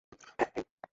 হ্যাঁ, হেই।